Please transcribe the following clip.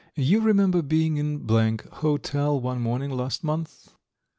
You remember being in Hotel one morning last month?"